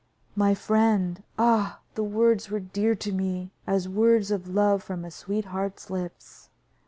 "My friend!" Ah! the words were dear to me as words of love from a sweetheart's lips.